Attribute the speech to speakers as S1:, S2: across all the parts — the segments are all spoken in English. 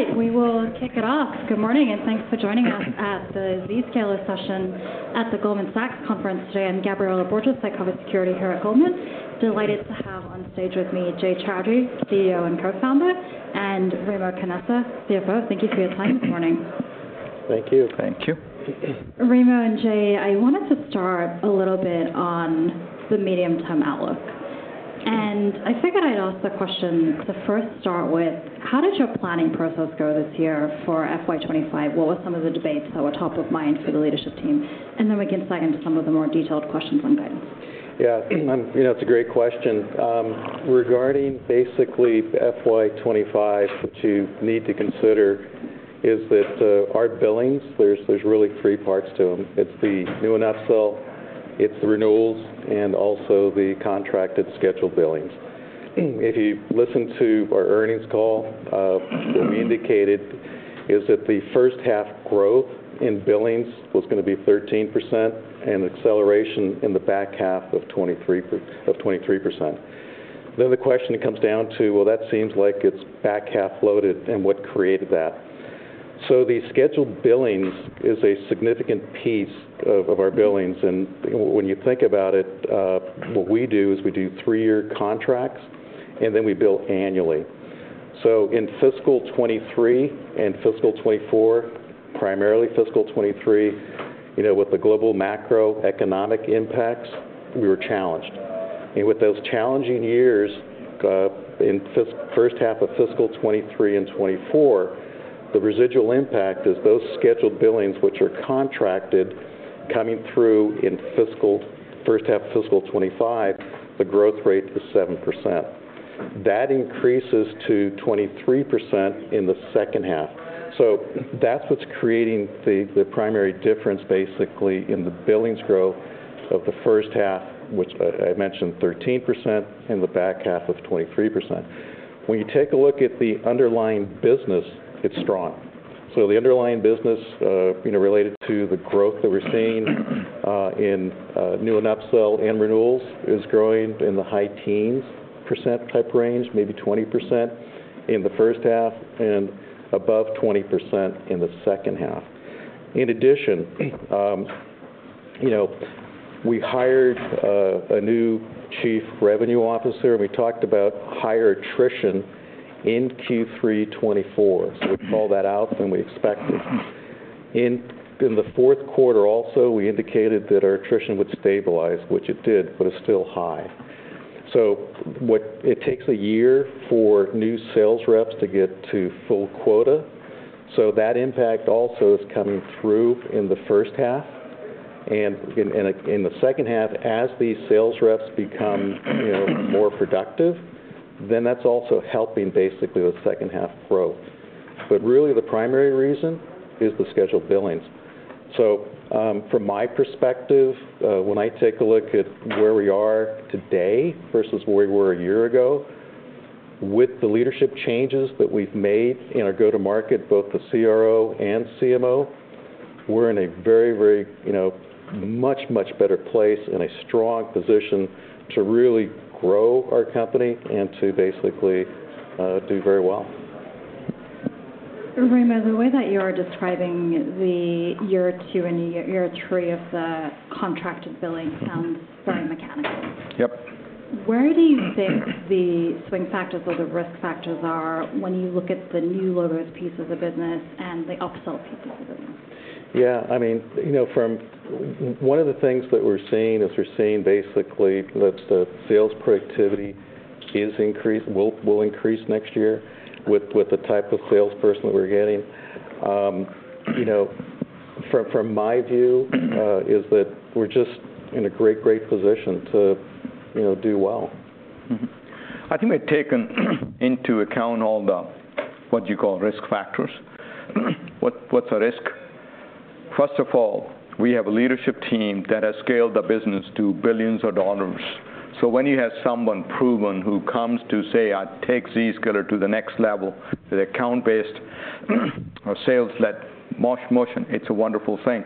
S1: All right, we will kick it off. Good morning, and thanks for joining us at the Zscaler session at the Goldman Sachs conference today. I'm Gabriela Borges. I cover security here at Goldman. Delighted to have on stage with me, Jay Chaudhry, CEO and co-founder, and Remo Canessa, CFO. Thank you for your time, good morning.
S2: Thank you.
S3: Thank you.
S1: Remo and Jay, I wanted to start a little bit on the medium-term outlook, and I figured I'd ask the question to first start with: How did your planning process go this year for FY 2025? What were some of the debates that were top of mind for the leadership team? And then we can dive into some of the more detailed questions on guidance.
S2: Yeah. You know, it's a great question. Regarding basically FY 2025, what you need to consider is that our billings, there's really three parts to them. It's the new and upsell, it's the renewals, and also the contracted scheduled billings. If you listened to our earnings call, what we indicated is that the first half growth in billings was gonna be 13%, and acceleration in the back half of 2023 of 23%. Then the question it comes down to, well, that seems like it's back-half loaded, and what created that? So the scheduled billings is a significant piece of our billings, and when you think about it, what we do is we do three-year contracts, and then we bill annually. So in fiscal 2023 and fiscal 2024, primarily fiscal 2023, you know, with the global macroeconomic impacts, we were challenged. With those challenging years in the first half of fiscal 2023 and 2024, the residual impact is those scheduled billings, which are contracted, coming through in the first half of fiscal 2025. The growth rate is 7%. That increases to 23% in the second half. So that's what's creating the primary difference, basically, in the billings growth of the first half, which I mentioned 13%, and the back half of 23%. When you take a look at the underlying business, it's strong. So the underlying business, you know, related to the growth that we're seeing in new and upsell and renewals, is growing in the high teens % type range, maybe 20% in the first half, and above 20% in the second half. In addition, you know, we hired a new Chief Revenue Officer, and we talked about higher attrition in Q3 2024, so we called that out, and we expected. In the fourth quarter also, we indicated that our attrition would stabilize, which it did, but it's still high. It takes a year for new sales reps to get to full quota, so that impact also is coming through in the first half. In the second half, as these sales reps become, you know, more productive, then that's also helping basically with second half growth. But really, the primary reason is the scheduled billings. So, from my perspective, when I take a look at where we are today versus where we were a year ago, with the leadership changes that we've made in our go-to-market, both the CRO and CMO, we're in a very, very, you know, much, much better place and a strong position to really grow our company and to basically do very well.
S1: Remo, the way that you are describing the year two and year three of the contracted billing sounds very mechanical.
S2: Yep.
S1: Where do you think the swing factors or the risk factors are when you look at the new logos pieces of business and the upsell pieces of business?
S2: Yeah, I mean, you know, from one of the things that we're seeing is we're seeing basically that the sales productivity is increased, will increase next year with the type of salesperson that we're getting. You know, from my view, is that we're just in a great, great position to, you know, do well.
S3: Mm-hmm. I think we've taken into account all the, what you call, risk factors. What, what's the risk? First of all, we have a leadership team that has scaled the business to billions of dollars. So when you have someone proven, who comes to say, "I'll take Zscaler to the next level," the account-based or sales-led motion, it's a wonderful thing.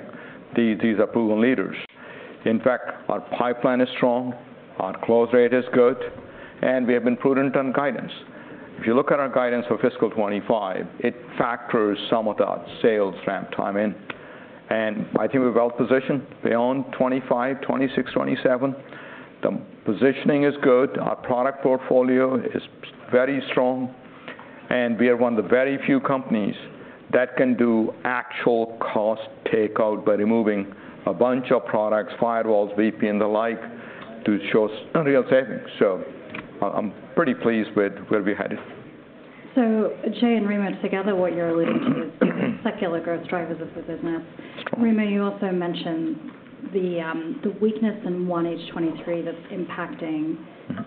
S3: These are proven leaders. In fact, our pipeline is strong, our close rate is good, and we have been prudent on guidance. If you look at our guidance for fiscal twenty-five, it factors some of the sales ramp time in, and I think we're well positioned beyond twenty-five, twenty-six, twenty-seven. The positioning is good. Our product portfolio is very strong, and we are one of the very few companies that can do actual cost takeout by removing a bunch of products, firewalls, VPN, the like, to show real savings. So I'm pretty pleased with where we're headed.
S1: So Jay and Remo, together, what you're alluding to is the secular growth drivers of the business. Remo, you also mentioned the weakness in 1H 2023 that's impacting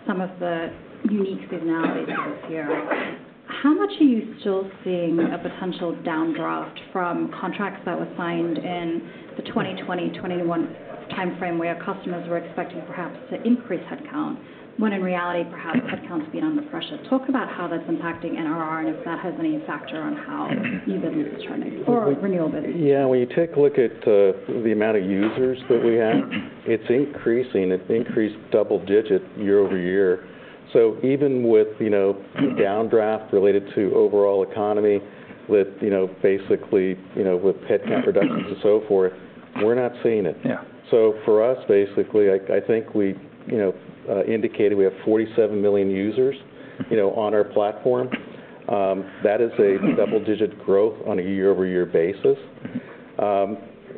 S1: some of the unique seasonality this year. How much are you still seeing a potential downdraft from contracts that were signed in the 2020, 2021 timeframe, where customers were expecting perhaps to increase headcount, when in reality, perhaps headcount's been under pressure? Talk about how that's impacting NRR, and if that has any factor on how new business is turning or renewal business.
S2: Yeah, when you take a look at the amount of users that we have, it's increasing. It's increased double digit year over year. So even with, you know, downdraft related to overall economy, with, you know, basically, you know, with head count reductions and so forth, we're not seeing it.
S3: Yeah.
S2: So for us, basically, I think we, you know, indicated we have 47 million users, you know, on our platform. That is a double-digit growth on a year-over-year basis.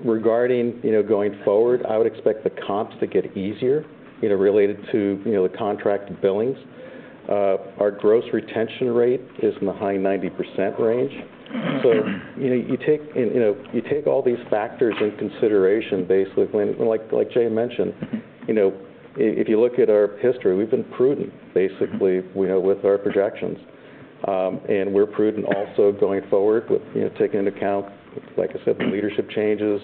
S2: Regarding, you know, going forward, I would expect the comps to get easier, you know, related to, you know, the contract billings. Our gross retention rate is in the high 90% range. So, you know, you take in, you know, you take all these factors into consideration, basically, when, like Jay mentioned, you know, if you look at our history, we've been prudent, basically, you know, with our projections. And we're prudent also going forward with, you know, taking into account, like I said, the leadership changes,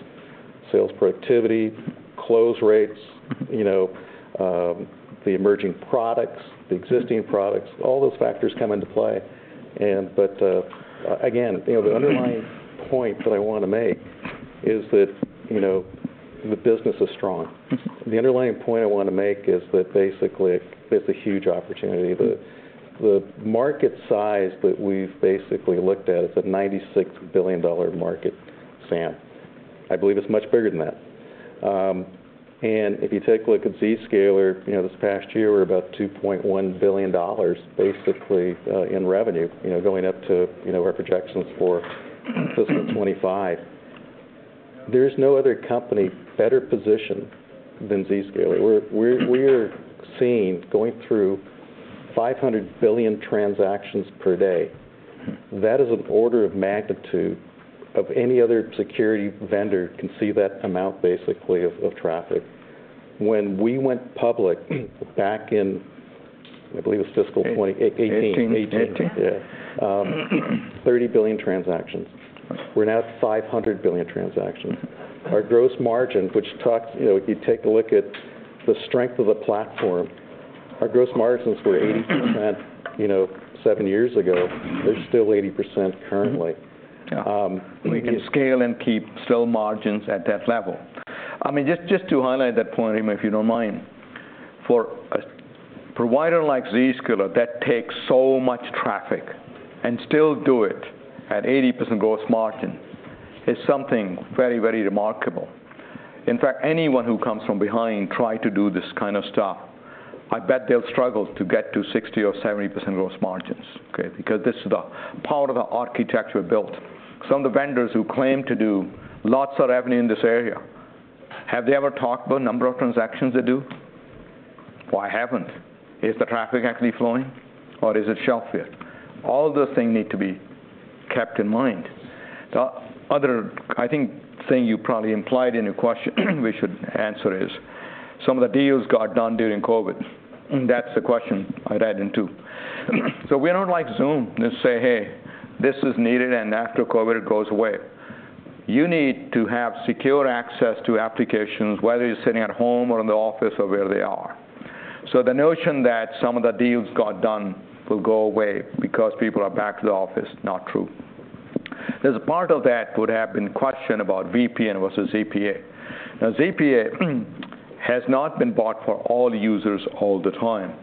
S2: sales productivity, close rates, you know, the emerging products, the existing products, all those factors come into play. you know, the underlying point that I wanna make is that, you know, the business is strong. The underlying point I wanna make is that basically, it's a huge opportunity. The market size that we've basically looked at is a $96 billion market, SAM. I believe it's much bigger than that. and if you take a look at Zscaler, you know, this past year, we're about $2.1 billion, basically, in revenue, you know, going up to, you know, our projections for fiscal 2025. There's no other company better positioned than Zscaler. We're seeing going through 500 billion transactions per day. That is an order of magnitude of any other security vendor can see that amount, basically, of traffic. When we went public back in, I believe it was fiscal 2018.
S3: Eighteen.
S2: Eighteen.
S3: Eighteen?
S2: Yeah. Thirty billion transactions. We're now at five hundred billion transactions. Our gross margin, which talks... You know, if you take a look at the strength of the platform, our gross margins were 80%, you know, seven years ago. They're still 80% currently.
S3: Yeah. We can scale and keep still margins at that level. I mean, just, just to highlight that point, Remo, if you don't mind. For a provider like Zscaler, that takes so much traffic, and still do it at 80% gross margin, is something very, very remarkable. In fact, anyone who comes from behind try to do this kind of stuff, I bet they'll struggle to get to 60% or 70% gross margins, okay? Because this is the part of the architecture built. Some of the vendors who claim to do lots of revenue in this area, have they ever talked about number of transactions they do? Why haven't? Is the traffic actually flowing or is it shelfware? All the thing need to be kept in mind. The other, I think, thing you probably implied in your question, we should answer is, some of the deals got done during COVID, and that's the question I read into. So we're not like Zoom, and say, "Hey, this is needed, and after COVID goes away." You need to have secure access to applications, whether you're sitting at home or in the office or where they are. So the notion that some of the deals got done will go away because people are back to the office, not true. There's a part of that could have been question about VPN versus ZPA. Now, ZPA has not been bought for all users all the time,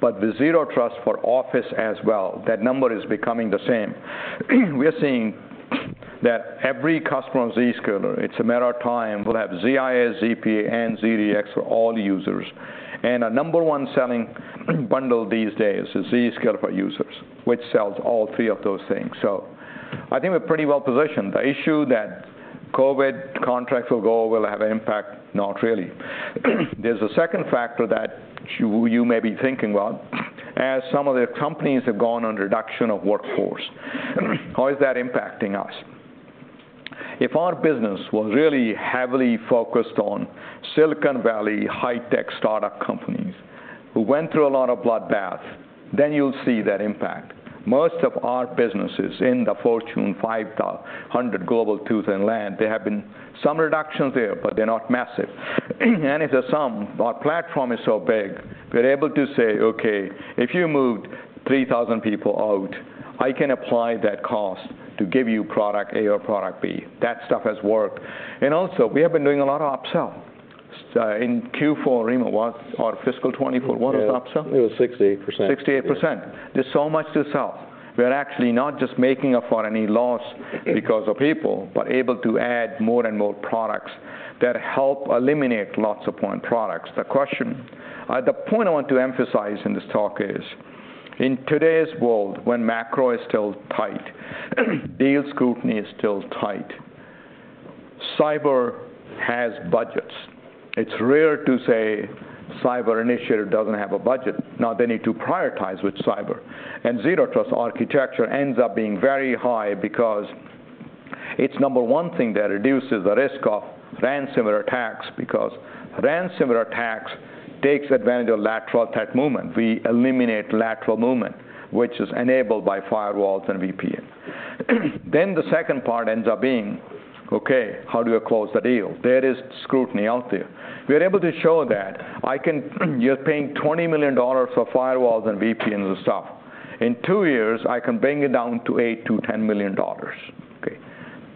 S3: but the zero trust for office as well, that number is becoming the same. We are seeing that every customer on Zscaler, it's a matter of time, will have ZIA, ZPA, and ZDX for all users. And our number one selling bundle these days is Zscaler for Users, which sells all three of those things. So I think we're pretty well positioned. The issue that COVID contracts will go will have an impact, not really. There's a second factor that you may be thinking about, as some of the companies have gone on reduction of workforce. How is that impacting us? If our business was really heavily focused on Silicon Valley, high-tech startup companies, who went through a lot of bloodbath, then you'll see that impact. Most of our businesses in the Fortune 500, Global 2000, and large, there have been some reductions there, but they're not massive. And if the sum, our platform is so big, we're able to say, "Okay, if you moved three thousand people out, I can apply that cost to give you product A or product B." That stuff has worked. And also, we have been doing a lot of upsell. In Q4, Remo, what our fiscal twenty-four, what was the upsell?
S2: It was 68%.
S3: 68%. There's so much to sell. We're actually not just making up for any loss because of people, but able to add more and more products that help eliminate lots of point products. The question... the point I want to emphasize in this talk is, in today's world, when macro is still tight, deal scrutiny is still tight, cyber has budgets. It's rare to say cyber initiator doesn't have a budget. Now, they need to prioritize with cyber. And Zero Trust architecture ends up being very high because it's number one thing that reduces the risk of ransomware attacks, because ransomware attacks takes advantage of lateral movement. We eliminate lateral movement, which is enabled by firewalls and VPN. Then the second part ends up being, okay, how do you close the deal? There is scrutiny out there. We're able to show that you're paying $20 million for firewalls and VPNs and stuff. In two years, I can bring it down to $8-$10 million, okay?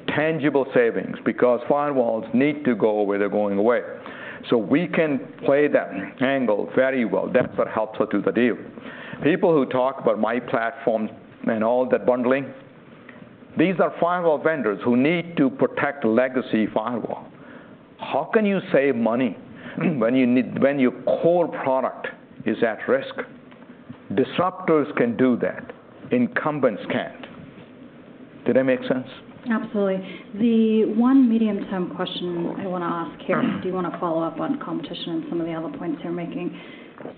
S3: Tangible savings, because firewalls need to go where they're going away. So we can play that angle very well. That's what helped us do the deal. People who talk about my platform and all that bundling, these are firewall vendors who need to protect legacy firewall. How can you save money when you need, when your core product is at risk? Disruptors can do that, incumbents can't. Did I make sense?
S1: Absolutely. The one medium-term question I want to ask here, do you want to follow up on competition and some of the other points you're making?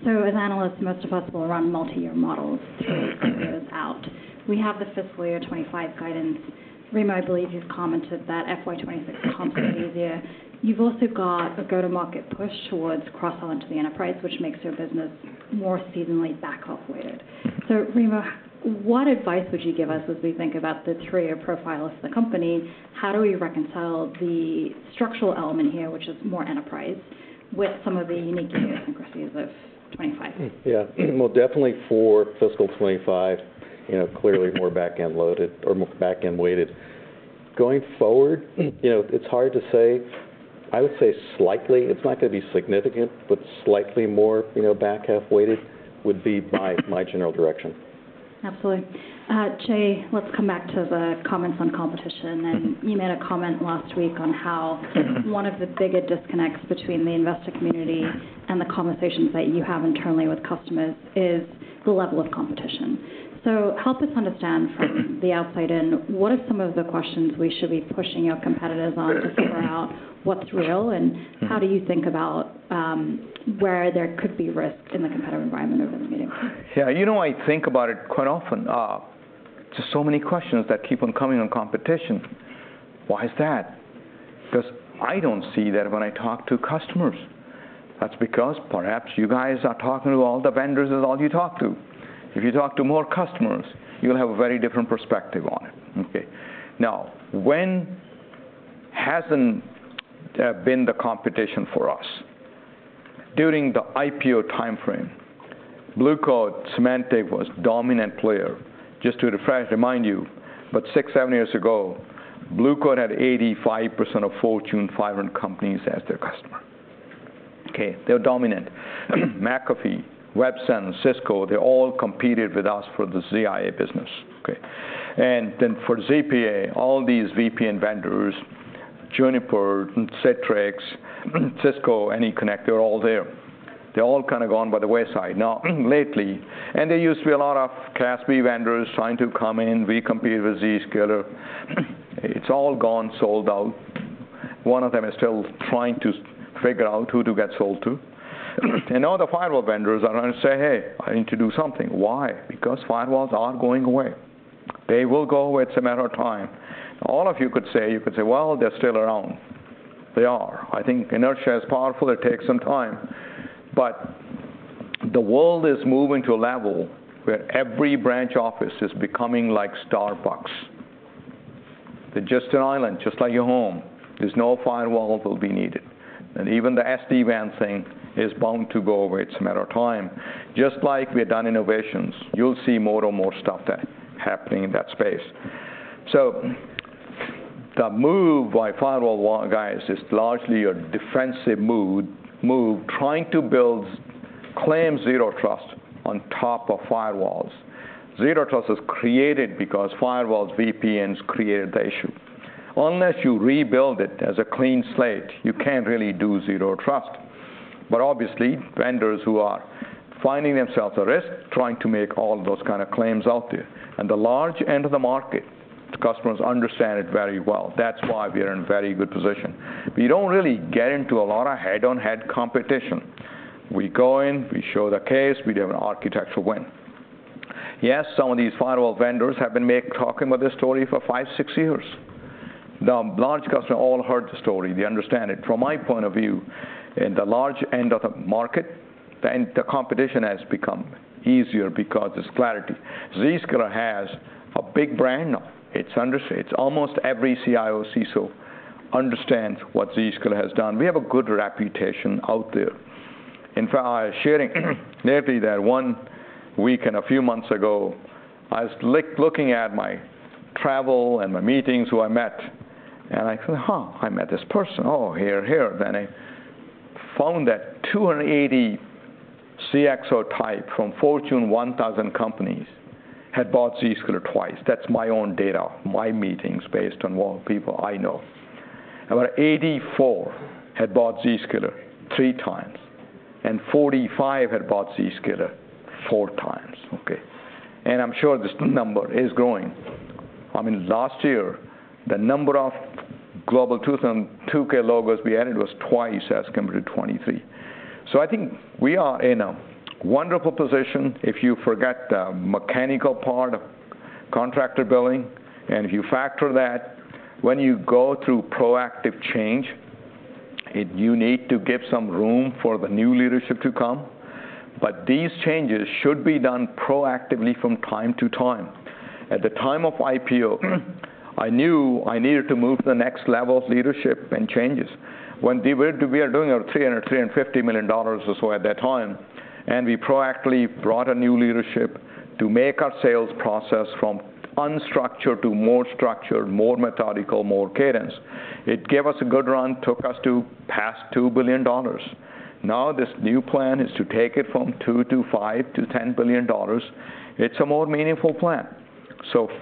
S1: So as analysts, most of us will run multi-year models to figure this out. We have the Fiscal Year 2025 guidance. Remo, I believe you've commented that FY 2026 is a complicated year. You've also got a go-to-market push towards cross-sell into the enterprise, which makes your business more seasonally back-half weighted. So Remo, what advice would you give us as we think about the three-year profile of the company? How do we reconcile the structural element here, which is more enterprise, with some of the unique idiosyncrasies of 2025?
S2: Yeah. Well, definitely for fiscal 2025, you know, clearly more back-end loaded or more back-end weighted. Going forward, you know, it's hard to say. I would say slightly. It's not going to be significant, but slightly more, you know, back-half weighted would be my, my general direction.
S1: Absolutely. Jay, let's come back to the comments on competition. And you made a comment last week on how one of the bigger disconnects between the investor community and the conversations that you have internally with customers is the level of competition. So help us understand from the outside in, what are some of the questions we should be pushing your competitors on to figure out what's real, and how do you think about, where there could be risks in the competitive environment over the medium?
S3: Yeah, you know, I think about it quite often. Just so many questions that keep on coming on competition. Why is that? Because I don't see that when I talk to customers. That's because perhaps you guys are talking to all the vendors is all you talk to. If you talk to more customers, you'll have a very different perspective on it, okay? Now, when hasn't there been the competition for us? During the IPO timeframe, Blue Coat, Symantec was dominant player. Just to refresh, remind you, but six, seven years ago, Blue Coat had 85% of Fortune 500 companies as their customer. Okay, they're dominant. McAfee, Websense, Cisco, they all competed with us for the ZIA business, okay? And then for ZPA, all these VPN vendors, Juniper, Citrix, Cisco, AnyConnect, all there. They're all kind of gone by the wayside. Now, lately... And there used to be a lot of CASB vendors trying to come in. We compete with Zscaler. It's all gone, sold out. One of them is still trying to figure out who to get sold to. And all the firewall vendors are going to say, "Hey, I need to do something." Why? Because firewalls are going away. They will go away, it's a matter of time. All of you could say, you could say, "Well, they're still around." They are. I think inertia is powerful, it takes some time. But the world is moving to a level where every branch office is becoming like Starbucks. They're just an island, just like your home. There's no firewall that will be needed, and even the SD-WAN thing is bound to go away. It's a matter of time. Just like we've done innovations, you'll see more and more stuff there happening in that space so the move by firewall vendors, guys, is largely a defensive move trying to build and claim Zero Trust on top of firewalls. Zero Trust was created because firewalls, VPNs created the issue. Unless you rebuild it as a clean slate, you can't really do Zero Trust but obviously, vendors who are finding themselves at risk, trying to make all those kind of claims out there and the large end of the market, the customers understand it very well. That's why we are in very good position. We don't really get into a lot of head-to-head competition. We go in, we show the case, we have an architectural win. Yes, some of these firewall vendors have been talking about this story for five, six years. The large customers all heard the story. They understand it. From my point of view, in the large end of the market, then the competition has become easier because it's clarity. Zscaler has a big brand now. It's almost every CIO, CISO understands what Zscaler has done. We have a good reputation out there. In fact, I was sharing lately that one week and a few months ago, I was looking at my travel and my meetings, who I met, and I said, "Huh, I met this person. Oh, here, here." Then I found that 280 CXO type from Fortune 1000 companies had bought Zscaler twice. That's my own data, my meetings, based on all people I know. About 84 had bought Zscaler three times, and 45 had bought Zscaler four times, okay? And I'm sure this number is growing. I mean, last year, the number of Global 2000, 2K logos we added was twice as compared to 2023. So I think we are in a wonderful position if you forget the mechanical part of contracted billing, and if you factor that, when you go through proactive change, it, you need to give some room for the new leadership to come. But these changes should be done proactively from time to time. At the time of IPO, I knew I needed to move to the next level of leadership and changes, when we were doing our $350 million or so at that time, and we proactively brought a new leadership to make our sales process from unstructured to more structured, more methodical, more cadence. It gave us a good run, took us to past $2 billion. Now, this new plan is to take it from $2 billion to $5 billion to $10 billion. It's a more meaningful plan. So the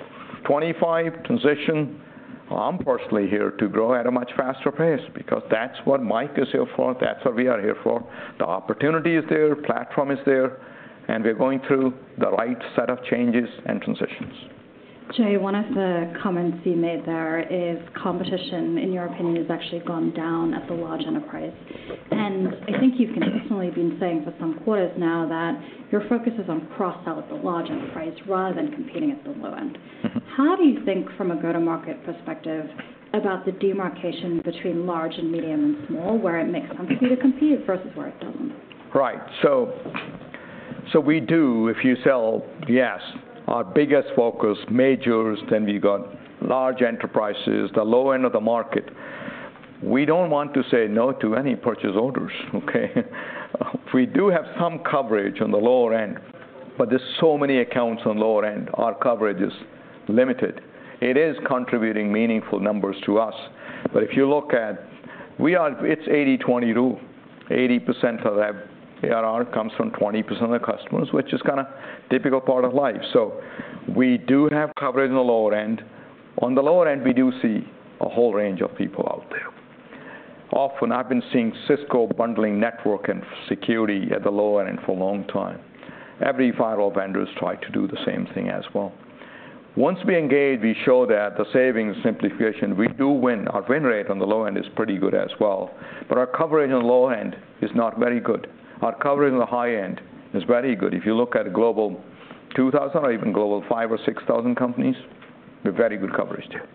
S3: 2025 transition, I'm personally here to grow at a much faster pace because that's what Mike is here for, that's what we are here for. The opportunity is there, platform is there, and we're going through the right set of changes and transitions.
S1: Jay, one of the comments you made there is competition, in your opinion, has actually gone down at the large enterprise, and I think you've consistently been saying for some quarters now that your focus is on cross-sell at the large enterprise rather than competing at the low end.
S3: Mm-hmm.
S1: How do you think, from a go-to-market perspective, about the demarcation between large and medium and small, where it makes sense for you to compete versus where it doesn't?
S3: Right. So, so we do, if you sell, yes, our biggest focus majors, then we've got large enterprises, the low end of the market. We don't want to say no to any purchase orders, okay? We do have some coverage on the lower end, but there's so many accounts on lower end, our coverage is limited. It is contributing meaningful numbers to us. But if you look at. We are. It's 80-20 rule. 80% of our ARR comes from 20% of the customers, which is kinda difficult part of life. So we do have coverage in the lower end. On the lower end, we do see a whole range of people out there. Often, I've been seeing Cisco bundling network and security at the lower end for a long time. Every rival vendors try to do the same thing as well. Once we engage, we show that the savings simplification. We do win. Our win rate on the low end is pretty good as well, but our coverage on the low end is not very good. Our coverage on the high end is very good. If you look at Global 2000 or even global 5,000 or 6,000 companies, we're very good coverage there.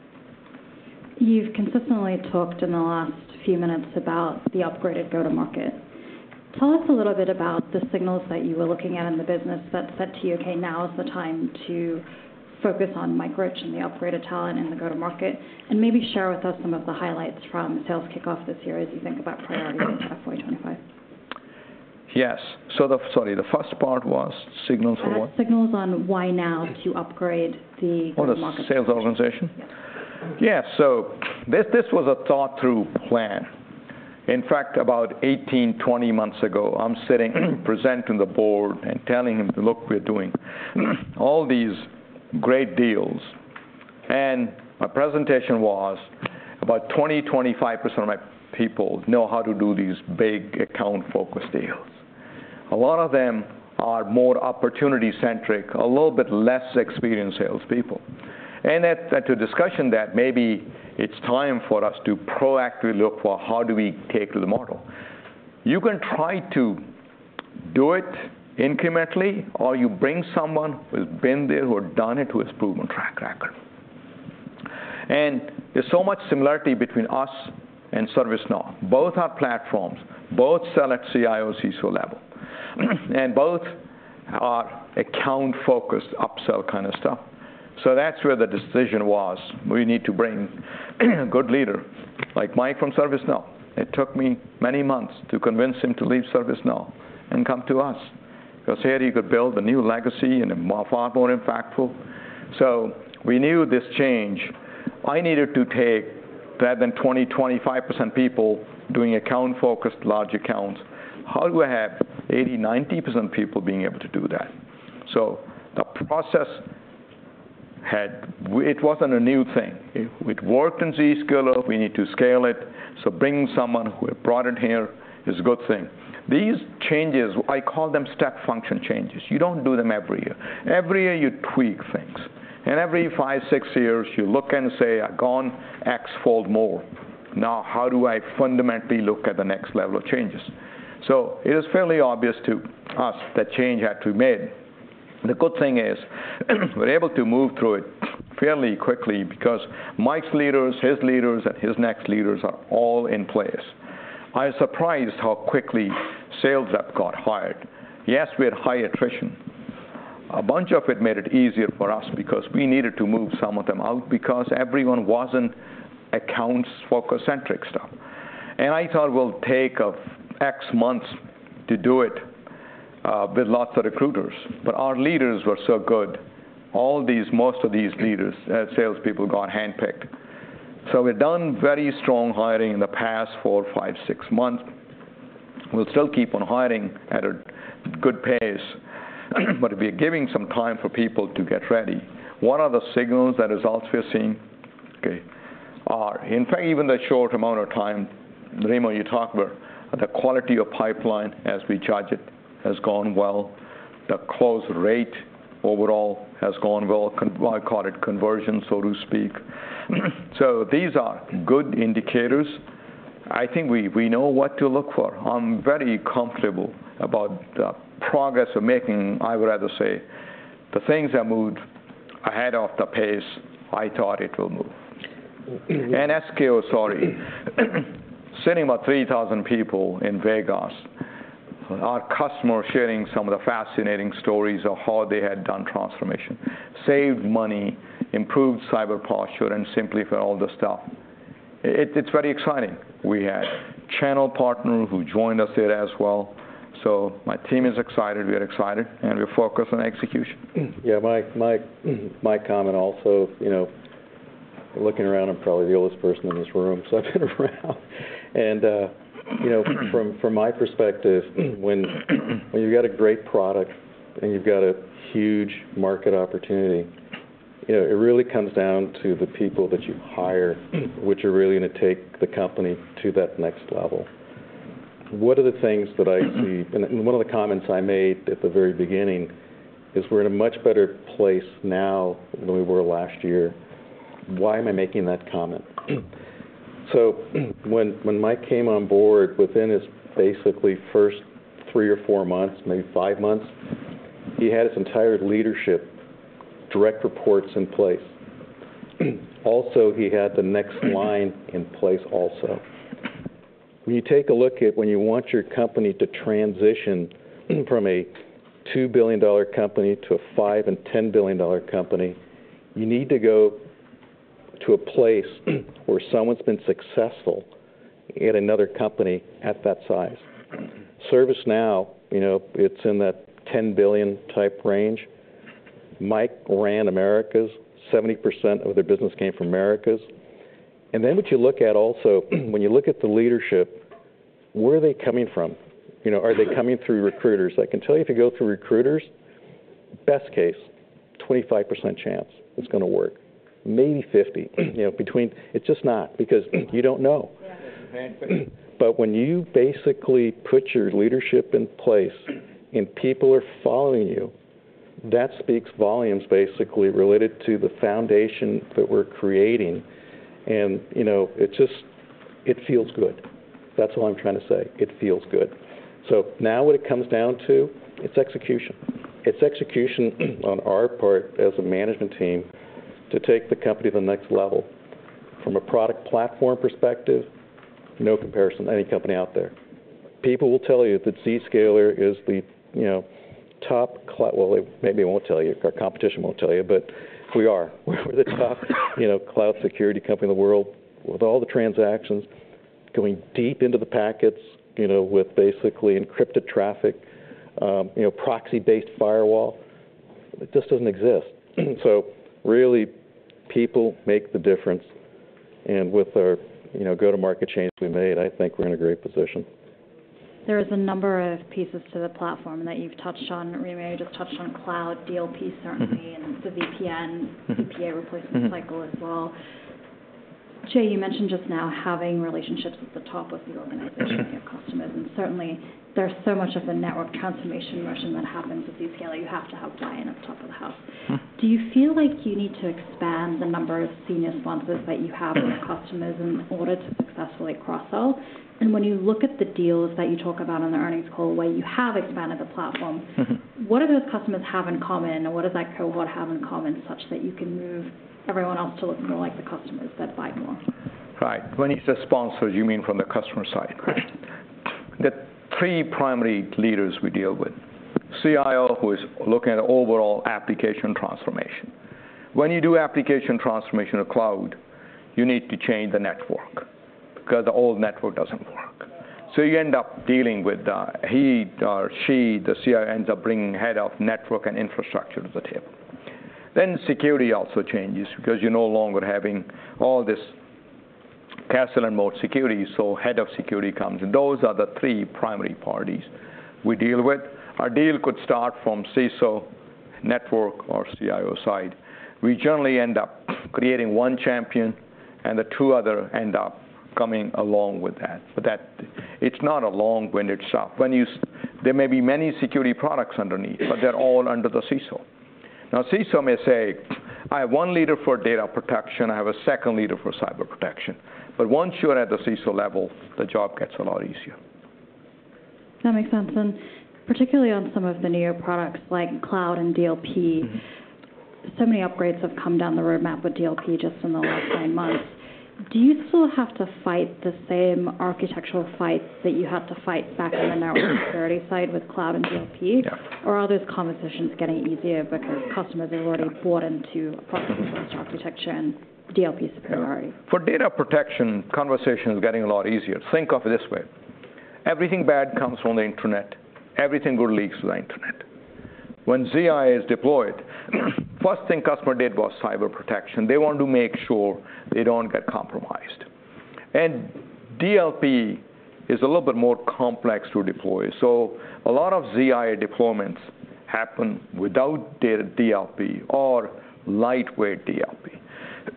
S1: You've consistently talked in the last few minutes about the upgraded go-to-market. Tell us a little bit about the signals that you were looking at in the business that said to you, "Okay, now is the time to focus on migration, the upgraded talent, and the go-to-market," and maybe share with us some of the highlights from the sales kickoff this year as you think about priorities at FY 2025.
S3: Yes. So, sorry, the first part was signals for what?
S1: Signals on why now to upgrade the go-to-market-
S3: Oh, the sales organization?
S1: Yes.
S3: Yeah, so this, this was a thought-through plan. In fact, about 18-20 months ago, I'm sitting, presenting the board and telling them: "Look, we're doing all these great deals." And my presentation was about 20-25% of my people know how to do these big account-focused deals. A lot of them are more opportunity-centric, a little bit less experienced salespeople. And at, at the discussion that maybe it's time for us to proactively look for how do we take to the model. You can try to do it incrementally, or you bring someone who's been there, who has done it, who has proven track record. And there's so much similarity between us and ServiceNow. Both are platforms, both sell at CIO, CISO level, and both are account-focused, upsell kind of stuff. So that's where the decision was. We need to bring a good leader, like Mike from ServiceNow. It took me many months to convince him to leave ServiceNow and come to us, because here he could build a new legacy and a more, far more impactful. We knew this change I needed to take, rather than 20, 25% people doing account-focused, large accounts. How do I have 80, 90% people being able to do that? So the process had it wasn't a new thing. It worked in Zscaler. We need to scale it, so bring someone who have brought it here is a good thing. These changes, I call them step function changes. You don't do them every year. Every year, you tweak things, and every five, six years, you look and say, "I've gone X-fold more. Now, how do I fundamentally look at the next level of changes?" It is fairly obvious to us that change had to be made. The good thing is, we're able to move through it fairly quickly because Mike's leaders, his leaders, and his next leaders are all in place. I was surprised how quickly sales rep got hired. Yes, we had high attrition. A bunch of it made it easier for us because we needed to move some of them out because everyone wasn't accounts-focused, centric stuff, and I thought, "We'll take X months to do it with lots of recruiters," but our leaders were so good. Most of these leaders, salespeople, got handpicked, so we've done very strong hiring in the past four, five, six months. We'll still keep on hiring at a good pace, but we're giving some time for people to get ready. What are the signals, the results we are seeing? Okay, in fact, even the short amount of time, Remo, you talked about, the quality of pipeline as we judge it, has gone well. The close rate overall has gone well. I call it conversion, so to speak. So these are good indicators. I think we know what to look for. I'm very comfortable about the progress we're making. I would rather say, the things that moved ahead of the pace, I thought it will move. SKO, sorry, sending about 3,000 people to Las Vegas. So our customers sharing some of the fascinating stories of how they had done transformation, saved money, improved cyber posture, and simplified all the stuff. It's very exciting. We had channel partner who joined us there as well. So my team is excited, we are excited, and we're focused on execution.
S2: Yeah, my comment also, you know, looking around, I'm probably the oldest person in this room, so I've been around. You know, from my perspective, when you've got a great product and you've got a huge market opportunity, you know, it really comes down to the people that you hire, which are really gonna take the company to that next level. What are the things that I see? One of the comments I made at the very beginning is we're in a much better place now than we were last year. Why am I making that comment? So when Mike came on board, within his basically first three or four months, maybe five months, he had his entire leadership direct reports in place. Also, he had the next line in place also. When you take a look at when you want your company to transition from a $2 billion company to a $5 billion and $10 billion company, you need to go to a place where someone's been successful at another company at that size. ServiceNow, you know, it's in that $10 billion type range. Mike ran Americas, 70% of their business came from Americas. And then what you look at also, when you look at the leadership, where are they coming from? You know, are they coming through recruiters? I can tell you, if you go through recruiters, best case, 25% chance it's gonna work. Maybe fifty, you know, between... It's just not, because you don't know.
S1: Yeah.
S2: When you basically put your leadership in place and people are following you, that speaks volumes basically related to the foundation that we're creating. You know, it's just, it feels good. That's all I'm trying to say. It feels good. Now what it comes down to, it's execution. It's execution on our part as a management team to take the company to the next level. From a product platform perspective, no comparison to any company out there. People will tell you that Zscaler is the, you know, well, maybe they won't tell you, our competition won't tell you, but we are. We're the top, you know, cloud security company in the world, with all the transactions going deep into the packets, you know, with basically encrypted traffic, you know, proxy-based firewall. It just doesn't exist. So really, people make the difference, and with our, you know, go-to-market changes we made, I think we're in a great position.
S1: There is a number of pieces to the platform that you've touched on. We may have just touched on cloud, DLP, certainly, and the VPN-
S2: Mm-hmm.
S1: ZPA replacement cycle as well. Jay, you mentioned just now having relationships at the top of the organization of your customers, and certainly there's so much of a network transformation motion that happens with Zscaler. You have to have buy-in at the top of the house.
S3: Mm-hmm.
S1: Do you feel like you need to expand the number of senior sponsors that you have with customers in order to successfully cross-sell? And when you look at the deals that you talk about on the earnings call, where you have expanded the platform-
S3: Mm-hmm.
S1: What do those customers have in common, and what does that cohort have in common, such that you can move everyone else to look more like the customers that buy more?
S3: Right. When you say sponsors, you mean from the customer side?
S1: Correct.
S3: The three primary leaders we deal with, CIO, who is looking at overall application transformation. When you do application transformation of cloud, you need to change the network, because the old network doesn't work. So you end up dealing with, he or she, the CIO, ends up bringing head of network and infrastructure to the table. Then security also changes, because you're no longer having all this castle and moat security, so head of security comes, and those are the three primary parties we deal with. Our deal could start from CISO, network, or CIO side. We generally end up creating one champion, and the two other end up coming along with that. But that. It's not a long-winded shop. When you say there may be many security products underneath, but they're all under the CISO. Now, CISO may say, "I have one leader for data protection, I have a second leader for cyber protection," but once you're at the CISO level, the job gets a lot easier.
S1: That makes sense. And particularly on some of the newer products like Cloud and DLP-
S3: Mm-hmm.
S1: So many upgrades have come down the roadmap with DLP just in the last nine months. Do you still have to fight the same architectural fights that you had to fight back on the network security side with cloud and DLP?
S3: Yeah.
S1: Or are those conversations getting easier because customers are already bought into a proxy-first architecture and DLP superiority?
S3: For data protection, conversation is getting a lot easier. Think of it this way: everything bad comes from the internet, everything good leaks to the internet. When ZIA is deployed, first thing customer did was cyber protection. They want to make sure they don't get compromised, and DLP is a little bit more complex to deploy, so a lot of ZIA deployments happen without data DLP or lightweight DLP.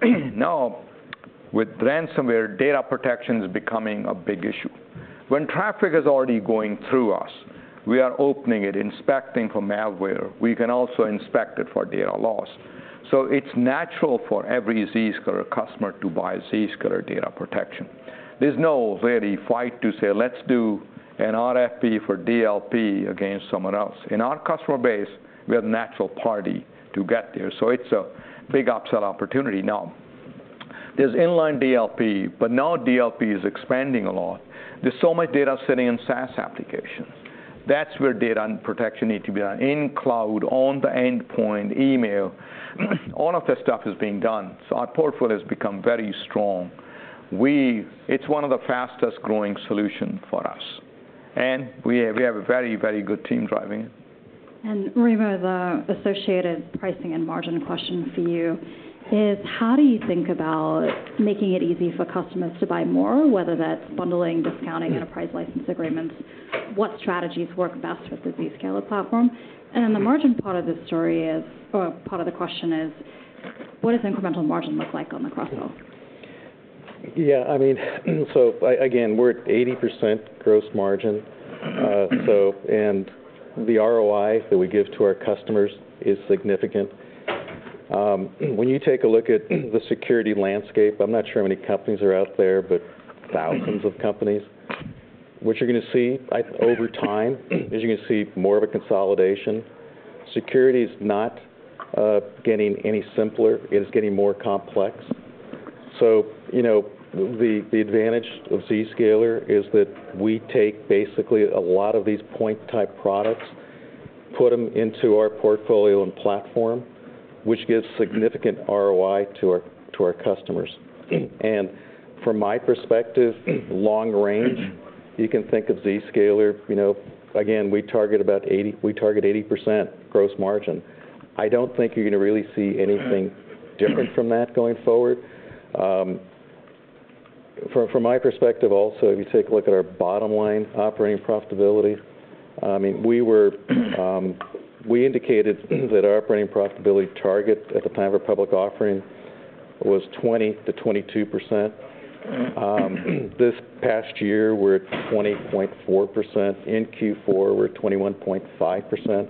S3: Now, with ransomware, data protection is becoming a big issue. When traffic is already going through us, we are opening it, inspecting for malware. We can also inspect it for data loss, so it's natural for every Zscaler customer to buy Zscaler Data Protection. There's no real fight to say, "Let's do an RFP for DLP against someone else." In our customer base, we are a natural party to get there, so it's a big upsell opportunity now. There's inline DLP, but now DLP is expanding a lot. There's so much data sitting in SaaS applications. That's where data and protection need to be done, in cloud, on the endpoint, email, all of this stuff is being done. So our portfolio has become very strong. We. It's one of the fastest growing solution for us, and we have a very, very good team driving it.
S1: Remo Canessa, the associated pricing and margin question for you is: how do you think about making it easy for customers to buy more, whether that's bundling, discounting, enterprise license agreements? What strategies work best with the Zscaler platform? And then the margin part of this story is, or part of the question is: what does incremental margin look like on the cross sell?
S2: Yeah, I mean, so again, we're at 80% gross margin. And the ROI that we give to our customers is significant. When you take a look at the security landscape, I'm not sure how many companies are out there, but thousands of companies, what you're gonna see over time is you're gonna see more of a consolidation. Security is not getting any simpler, it is getting more complex. So, you know, the advantage of Zscaler is that we take basically a lot of these point-type products, put them into our portfolio and platform, which gives significant ROI to our customers. And from my perspective, long range, you can think of Zscaler, you know. Again, we target about 80% gross margin. I don't think you're gonna really see anything different from that going forward. From my perspective also, if you take a look at our bottom line operating profitability, I mean, we were, we indicated that our operating profitability target at the time of our public offering was 20-22%. This past year, we're at 20.4%. In Q4, we're at 21.5%.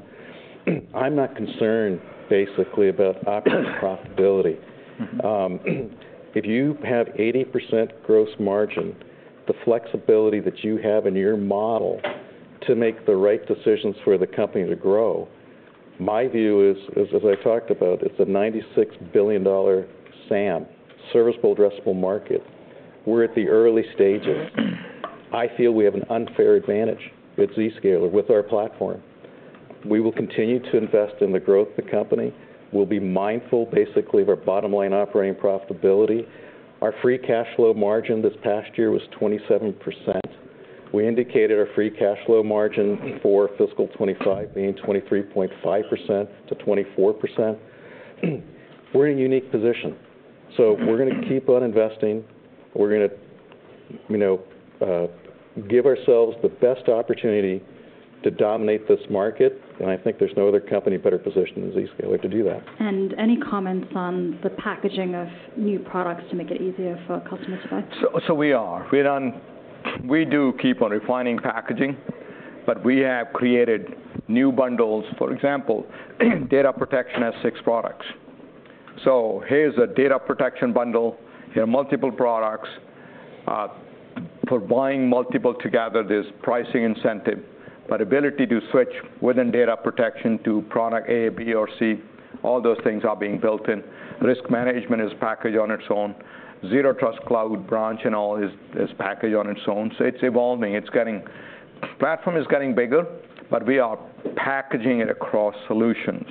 S2: I'm not concerned basically about operating profitability. If you have 80% gross margin, the flexibility that you have in your model to make the right decisions for the company to grow, my view is, as I talked about, it's a $96 billion SAM, serviceable addressable market. We're at the early stages. I feel we have an unfair advantage with Zscaler, with our platform. We will continue to invest in the growth of the company. We'll be mindful, basically, of our bottom line operating profitability. Our free cash flow margin this past year was 27%. We indicated our free cash flow margin for fiscal 2025 being 23.5% to 24%. We're in a unique position, so we're gonna keep on investing. We're gonna, you know, give ourselves the best opportunity to dominate this market, and I think there's no other company better positioned than Zscaler to do that.
S1: Any comments on the packaging of new products to make it easier for customers to buy?
S3: So we are. We're done. We do keep on refining packaging, but we have created new bundles. For example, data protection has six products. So here's a data protection bundle. There are multiple products. For buying multiple together, there's pricing incentive, but ability to switch within data protection to product A, B, or C, all those things are being built in. Risk management is packaged on its own. Zero Trust Cloud, Branch, and all is packaged on its own. So it's evolving. It's getting bigger. Platform is getting bigger, but we are packaging it across solutions.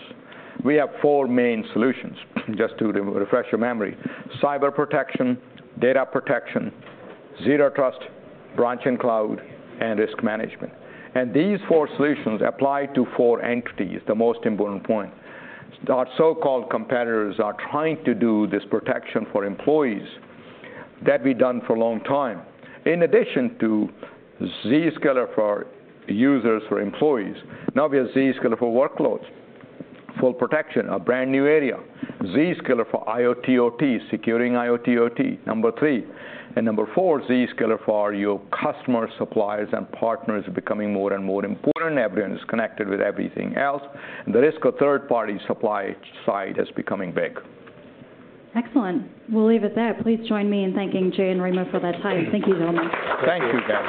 S3: We have four main solutions, just to refresh your memory: cyber protection, data protection, Zero Trust Branch and Cloud, and risk management. And these four solutions apply to four entities, the most important point. Our so-called competitors are trying to do this protection for employees. That's been done for a long time. In addition to Zscaler for Users, for employees, now we have Zscaler for Workloads, full protection, a brand new area, Zscaler for IoT/OT, securing IoT/OT, number three. Number four, Zscaler for your customer, suppliers, and partners are becoming more and more important. Everyone is connected with everything else, and the risk of third-party supply side is becoming big.
S1: Excellent. We'll leave it there. Please join me in thanking Jay and Remo for their time. Thank you, gentlemen.
S3: Thank you, guys.